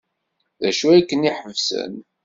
D acu ay ken-iḥebsen?